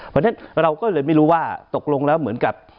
เพราะฉะนั้นเราก็เลยไม่รู้ว่าตกลงแล้วเหมือนกับ